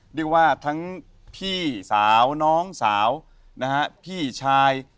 เรียกว่าทั้งพี่สาวน้องสาวนะฮะพี่ชาย